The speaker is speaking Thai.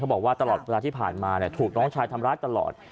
บอกว่าตลอดเวลาที่ผ่านมาถูกน้องชายทำร้ายตลอด